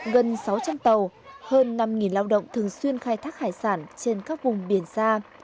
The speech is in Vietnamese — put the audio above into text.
gần sáu trăm linh tàu hơn năm lao động thường xuyên khai thác hải sản trên các vùng biển xa